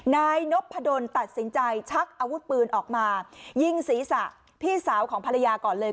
นายนพดลตัดสินใจชักอาวุธปืนออกมายิงศีรษะพี่สาวของภรรยาก่อนเลย